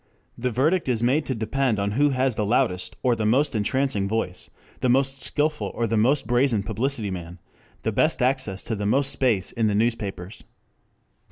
The verdict is made to depend on who has the loudest or the most entrancing voice, the most skilful or the most brazen publicity man, the best access to the most space in the newspapers.